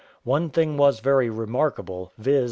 One thing was very remarkable, viz.